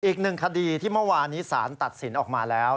อีกหนึ่งคดีที่เมื่อวานนี้สารตัดสินออกมาแล้ว